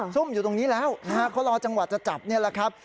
ซุ่มอยู่ตรงนี้แล้วนะฮะเขารอจังหวะจะจับนี่แหละครับ